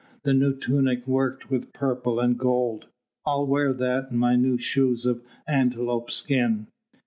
That new tunic worked with purple and gold. I'll wear that and my new shoes of antelope skin.